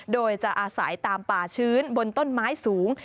โดยจะอาศัยตามป่าชื้นบนต้นไม้สูง